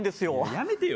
やめてよ